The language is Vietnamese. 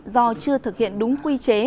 do chưa thực hiện đúng quy chế